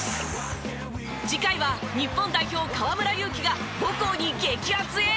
次回は日本代表河村勇輝が母校に激熱エール！